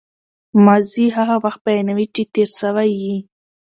ماضي هغه وخت بیانوي، چي تېر سوی يي.